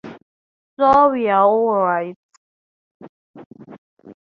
So we're all right.